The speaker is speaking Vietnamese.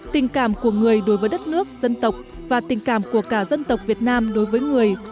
tình cảm của người đối với đất nước dân tộc và tình cảm của cả dân tộc việt nam đối với người